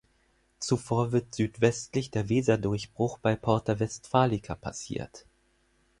Zuvor wird südwestlich der Weserdurchbruch bei Porta Westfalica passiert.